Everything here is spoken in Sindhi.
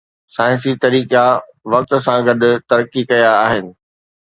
سائنسي طريقا وقت سان گڏ ترقي ڪيا آهن